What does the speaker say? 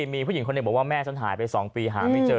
มีผู้หญิงคนหนึ่งบอกว่าแม่ฉันหายไป๒ปีหาไม่เจอ